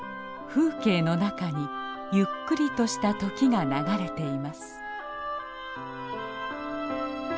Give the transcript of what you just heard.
風景の中にゆっくりとした時が流れています。